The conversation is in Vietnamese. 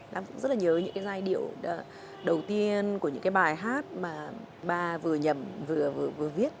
lam cũng rất là nhớ những cái giai điệu đầu tiên của những cái bài hát mà ba vừa nhầm vừa viết